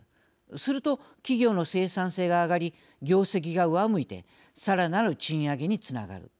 すると、企業の生産性が上がり業績が上向いてさらなる賃上げにつながる。